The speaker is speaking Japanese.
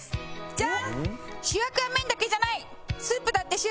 ジャン！